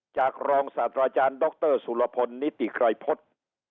จากรองศาสตราจารย์ด๊อคเตอร์สุรพลนิติไครพจน์